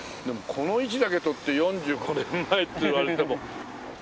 でもこの位置だけ撮って４５年前って言われても。